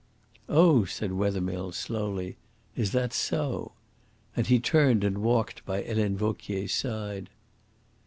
"Oh," said Wethermill slowly. "Is that so?" And he turned and walked by Helene Vauquier's side.